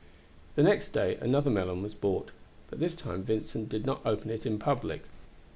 The next day another melon was bought, but this time Vincent did not open it in public.